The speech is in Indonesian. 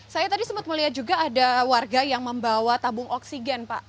saya tadi sempat melihat juga ada warga yang membawa tabung oksigen pak